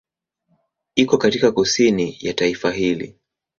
Iko katika kusini ya taifa hili.